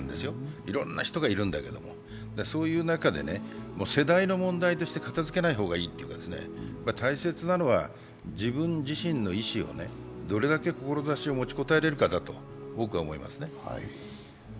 いろんな人がいるんだけど、そういう中で世代の問題として片づけない方がいいというか大切なのは、自分自身の意志、どれだけ志を持ちこたえられるかだと思います。